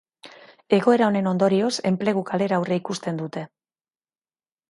Egoera honen ondorioz enplegu galera aurreikusten dute.